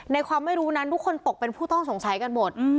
ความไม่รู้นั้นทุกคนตกเป็นผู้ต้องสงสัยกันหมด